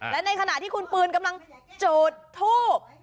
และในขณะที่คุณปืนกำลังจุดทูบ